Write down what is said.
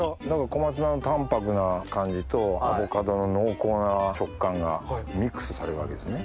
小松菜の淡泊な感じとアボカドの濃厚な食感がミックスされるわけですね